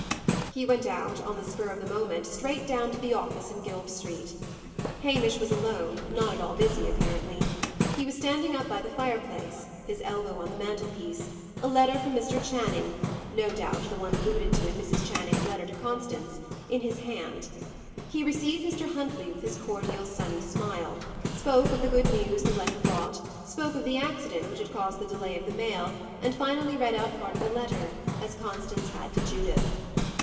He went out, on the spur of the moment, straight down to the office in Guild Street. Hamish was alone, not at all busy, apparently. He was standing up by the fireplace, his elbow on the mantelpiece, a letter from Mr. Channing (no doubt the one alluded to in Mrs. Channing's letter to Constance) in his hand. He received Mr. Huntley with his cordial, sunny smile; spoke of the good news the letter brought, spoke of the accident which had caused the delay of the mail, and finally read out part of the letter, as Constance had to Judith.